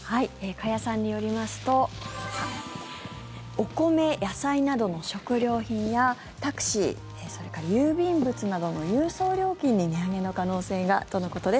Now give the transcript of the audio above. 加谷さんによりますとお米、野菜などの食料品やタクシー、それから郵便物などの郵送料金が値上がりの可能性がということです。